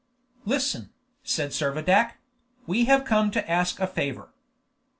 "Listen," said Servadac; "we have come to ask a favor."